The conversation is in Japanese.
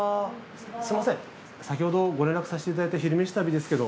すみません先ほどご連絡させていただいた「昼めし旅」ですけど。